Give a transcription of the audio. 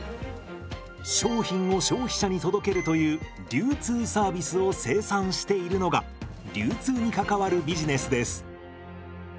商品を消費者に届けるという流通サービスを生産しているのが流通に関わるビジネスです。